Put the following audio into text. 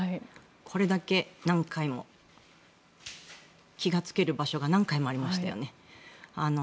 これだけ何回も気がつける場所が何回もありましたよね。